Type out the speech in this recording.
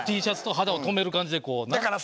Ｔシャツと肌を留める感じでこうなっ？